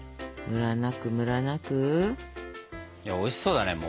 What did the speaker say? おいしそうだねもう。